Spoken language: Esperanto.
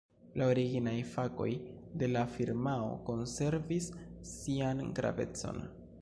La originaj fakoj de la firmao konservis sian gravecon.